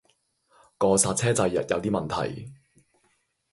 個煞車掣有啲問題